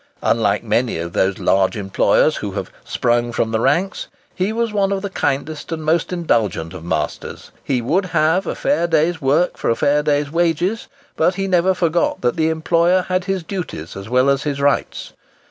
Unlike many of those large employers who have "sprung from the ranks," he was one of the kindest and most indulgent of masters. He would have a fair day's work for a fair day's wages; but he never forgot that the employer had his duties as well as his rights.